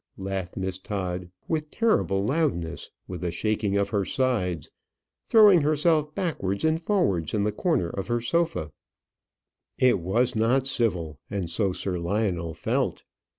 laughed Miss Todd, with terrible loudness, with a shaking of her sides, throwing herself backwards and forwards in the corner of her sofa. It was not civil, and so Sir Lionel felt.